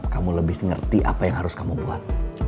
kamu lebih ngerti apa yang harus kamu buat